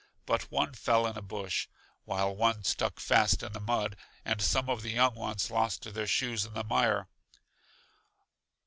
But one fell in a bush, while one stuck fast in the mud, and some of the young ones lost their shoes in the mire.